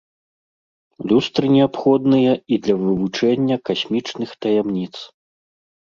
Люстры неабходныя і для вывучэння касмічных таямніц.